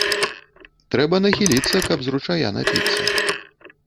Трэба нахіліцца, каб з ручая напіцца